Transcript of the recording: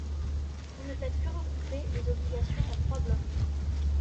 Vous ne faites que regrouper les obligations en trois blocs.